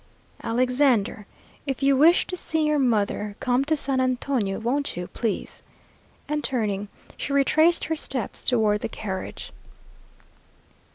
"Alexander, if you wish to see your mother, come to San Antonio, won't you, please?" and turning, she retraced her steps toward the carriage.